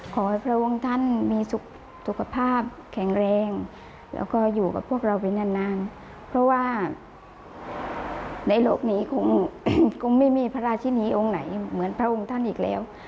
พระองค์ท่านมีสุขภาพแข็งแรงแล้วก็อยู่กับพวกเราไปนานเพราะว่าในโลกนี้คงไม่มีพระราชินีองค์ไหนเหมือนพระองค์ท่านอีกแล้ว